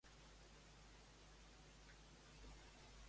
Afrodita havia satisfet el desig de Pigmalió?